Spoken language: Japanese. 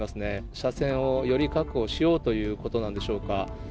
車線をより確保しようということなんでしょうか。